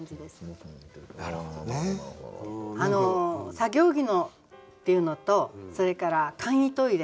「作業着の」っていうのとそれから「簡易トイレ」